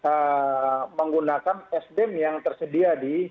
kita menggunakan sdm yang tersedia di